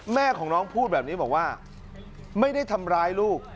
แม่ของน้องพูดแบบนี้บอกว่าไม่ได้ทำร้ายลูก